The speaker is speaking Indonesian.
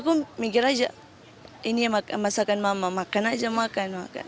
aku mikir saja ini masakan mama makan saja makan